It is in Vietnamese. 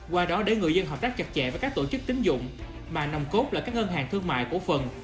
qua đó để người dân hợp tác chặt chẽ với các tổ chức tính dụng mà nồng cốt là các ngân hàng thương mại cổ phần